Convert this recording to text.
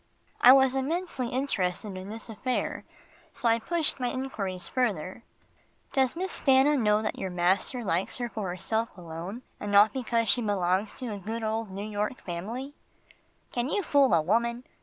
I was intensely interested in this affair, so I pushed my enquiries further. "Does Miss Stanna know that your master likes her for herself alone, and not because she belongs to a good old New York family?" "Can you fool a woman?"